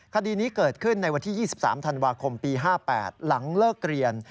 คดีนี้เกิดขึ้นในวันที่๒๓ธันวาคมปี๕๘หลังเลิกเรียน